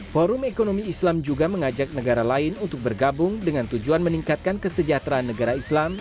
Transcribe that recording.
forum ekonomi islam juga mengajak negara lain untuk bergabung dengan tujuan meningkatkan kesejahteraan negara islam